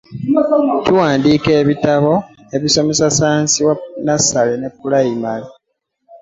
Tuwandiika ebitabo ebisomesa ssaayansi wa nasale ne pulayimale.